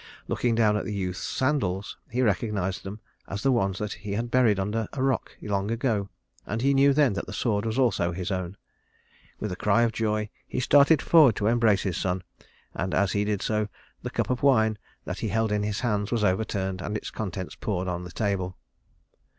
Looking down at the youth's sandals, he recognized them as the ones that he had buried under a rock long ago, and he knew then that the sword was also his own. With a cry of joy he started forward to embrace his son, and as he did so the cup of wine that he held in his hand was overturned and its contents poured on the table.